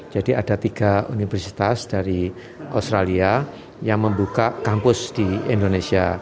jadi ada tiga universitas dari australia yang membuka kampus di indonesia